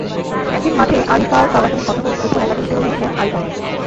একদিন মাঠে আরিফার বাবার সঙ্গে কথা বলে ফুটবল একাডেমিতে নিয়ে নেন আরিফাকে।